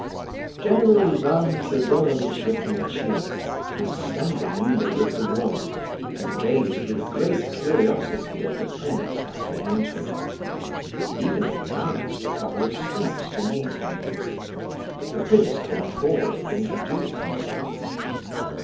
General Ivan Fedorovitch Epanchin was standing in the middle of the room, and gazed with great curiosity at the prince as he entered. He even advanced a couple of steps to meet him. The prince came forward and introduced himself.